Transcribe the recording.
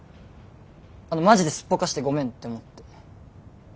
あのマジですっぽかしてごめんって思って。